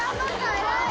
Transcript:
偉い！